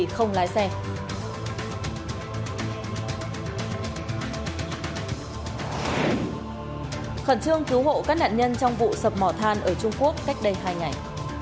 khẩn trương cứu hộ các nạn nhân trong vụ sập mỏ than ở trung quốc cách đây hai ngày